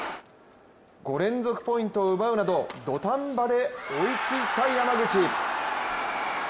５連続ポイントを奪うなど土壇場で追いついた山口。